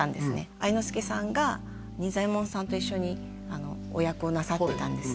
愛之助さんが仁左衛門さんと一緒にあのお役をなさってたんです